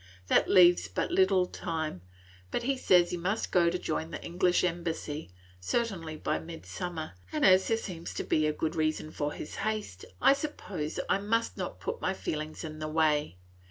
"That leaves but little time; but he says he must go to join the English Embassy, certainly by midsummer, and as there seems to be a good reason for his haste, I suppose I must not put my feelings in the way.